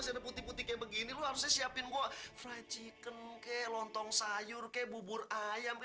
sampai jumpa di video selanjutnya